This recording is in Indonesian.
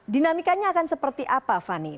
dinamikanya akan seperti apa fani